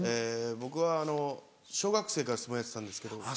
僕は小学生から相撲やってたんですけど。